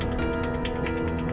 apa harus ibu itu